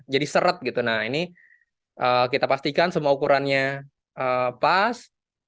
nah ini kita pastikan semua ukurannya pas